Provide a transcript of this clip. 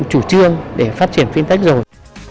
chủ trương để phát triển fintech rồi